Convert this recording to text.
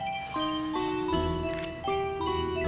jadi kita cukup sejarah bertuah